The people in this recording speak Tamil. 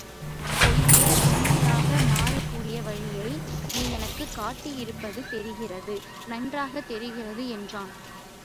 பொய்யே உண்மையாக மாறக்கூடிய வழியை நீ எனக்குக் காட்டி இருப்பது தெரிகிறது நன்றாகத் தெரிகிறது என்றான்.